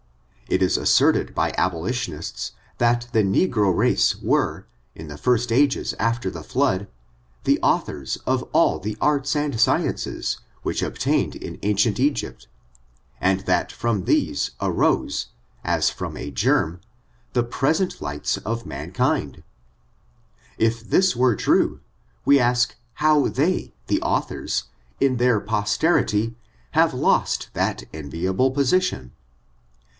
It is asserted by abolitionists, that the negro race were, in the first ages after the flood, the authors of all the arts and sciences which obtained in ancient Egypt, and that from these arose, as from a germ, the pret I I ' ^^^^^H^^^^i^t^k^ FORTUNES, OF THE NEGRO RACE 205 ent lights of mankind. If this was true, we ask how they, the authors, in their posterity, have lost that en viable position